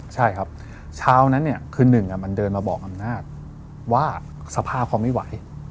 ใช่ครับเช้านั้นเนี่ยคือหนึ่งมันเดินมาบอกอำนาจว่าสภาพเขาไม่ไหว